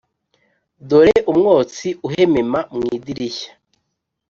dore umwotsi uhemema mu idirishya.